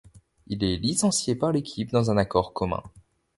Il est licencié par l'équipe dans un accord commun.